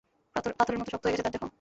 পাথরের মতো শক্ত হয়ে গেছে তার দেহ।